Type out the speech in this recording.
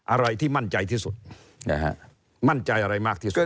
อะไรที่มั่นใจที่สุดมั่นใจอะไรมากที่สุด